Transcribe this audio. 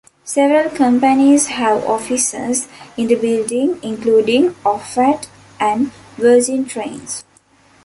Several companies have offices in the building, including Ofwat and Virgin Trains.